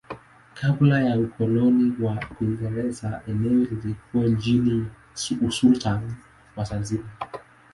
Kabla ya ukoloni wa Kiingereza eneo lilikuwa chini ya usultani wa Zanzibar.